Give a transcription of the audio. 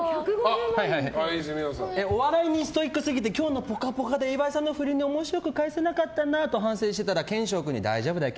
お笑いにストイックすぎて今日の「ぽかぽか」で岩井さんの振りに面白く返せなかったなと反省してたら賢章君に大丈夫だよ